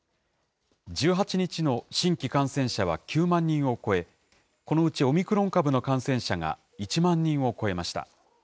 １８日の新規感染者は９万人を超え、このうちオミクロン株の感染者が１万人を超えました。